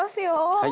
はい。